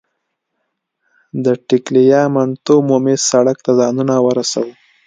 د ټګلیامنتو عمومي سړک ته ځانونه ورسوو.